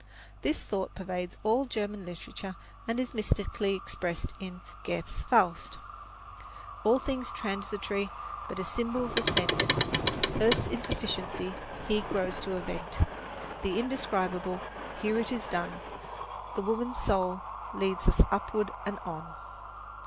This thought pervades all German literature and is mystically expressed in Goethe's "Faust": All things transitory But as symbols are sent. Earth's insufficiency Here grows to event. The indescribable Here it is done. The Woman Soul leads us upward and on!